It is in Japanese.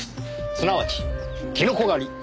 すなわちキノコ狩り。